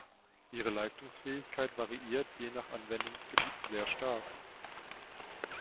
Ihre Leistungsfähigkeit variiert je nach Anwendungsgebiet sehr stark.